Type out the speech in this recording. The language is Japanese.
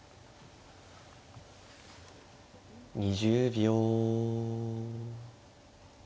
２０秒。